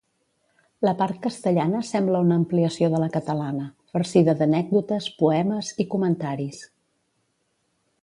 La part castellana sembla una ampliació de la catalana, farcida d'anècdotes, poemes i comentaris.